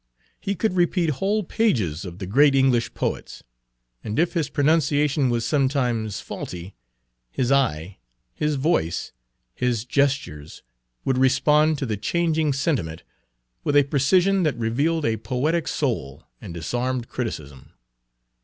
He could repeat whole pages of the great English poets; and if his pronunciation was sometimes faulty, his eye, his voice, his gestures, would respond to the changing sentiment with a precision that revealed a poetic soul and disarmed criticism.